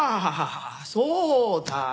そうだ！